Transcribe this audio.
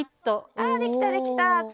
あできたできた！